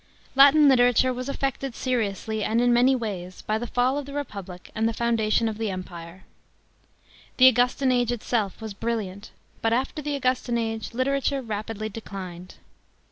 § 1. LATIN literature was affected seriously, and in many ways, by the fall of the Republic and the foundation of the Empire. The Augustan age itself was brilliant, but after the Augustan age literature rapidly declined.